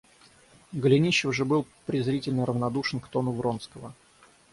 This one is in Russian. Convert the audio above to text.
Голенищев же был презрительно равнодушен к тону Вронского.